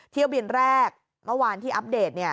เที่ยวบินแรกเมื่อวานที่อัปเดต